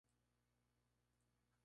Permaneció en Atlanta por dos temporadas.